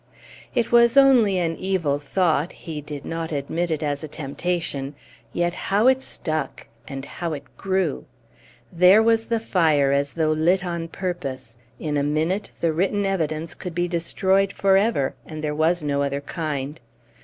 It was only an evil thought. He did not admit it as a temptation. Yet how it stuck, and how it grew! There was the fire, as though lit on purpose; in a minute the written evidence could be destroyed for ever; and there was no other kind.